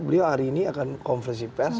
jadi beliau hari ini akan konfesi pers